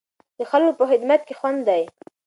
د خلکو په خدمت کې خوند دی.